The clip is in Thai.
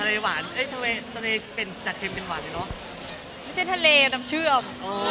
ไม่ใช่ทะเลน้ำเชื่อม